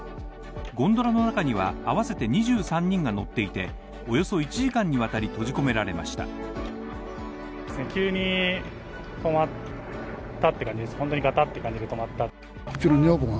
ゴンドラの中には、合わせて２３人が乗っていて、およそ１時間にわたり閉じ込められました。